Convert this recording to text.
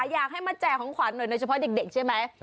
อยากให้มาแจกของขวัญหน่อยโดยเฉพาะเด็กใช่ไหม